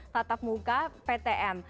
tatap muka ptm